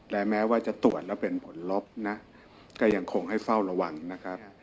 และแม้ว่าจะตรวจแล้วเป็นผลลบนะก็ยังคงให้เฝ้าระวังนะครับ